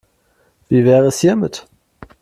Wie wäre es hiermit?